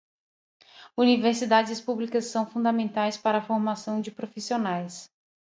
Universidades públicas são fundamentais para a formação de profissionais.